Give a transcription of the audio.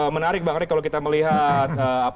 menarik bang rey kalau kita melihat